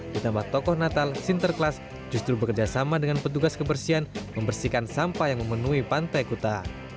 ditambah tokoh natal sinter kelas justru bekerja sama dengan petugas kebersihan membersihkan sampah yang memenuhi pantai kuta